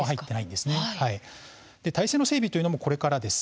体制の整備というのもこれからです。